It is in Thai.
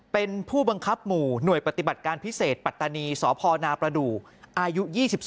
เป็นผู้บังคับหมู่หน่วยปฏิบัติการพิเศษปัตตานีสพนประดูกอายุ๒๒